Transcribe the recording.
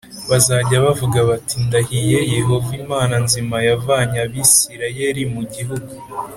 bazajya bavuga bati ndahiye Yehova Imana nzima yavanye Abisirayeli mu gihugu